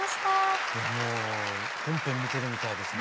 もう本編見てるみたいですね。